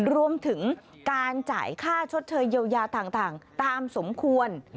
รวมถึงการจ่ายค่าชดเชยเยียวยาต่างตามสมควร